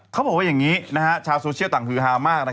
เขาบอกว่าอย่างนี้ชาวโซเชียลต่างฮือฮามาก